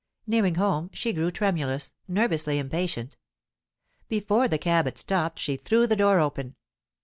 Nearing home, she grew tremulous, nervously impatient. Before the cab had stopped, she threw the door open.